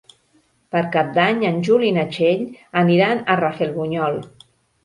Per Cap d'Any en Juli i na Txell aniran a Rafelbunyol.